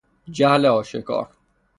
جهل آشکار